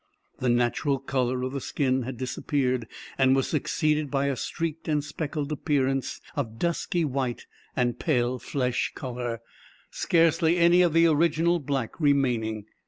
The natural color of the skin had disappeared, and was succeeded by a streaked and speckled appearance of dusky white and pale flesh color, scarcely any of the original, black remaining.